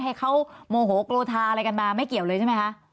ให้เขาโมโหลทาอะไรกันมาไม่เกี่ยวเลยใช่ไหมคะ